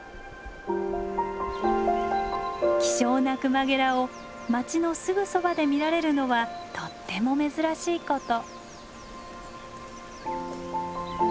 希少なクマゲラを街のすぐそばで見られるのはとっても珍しいこと。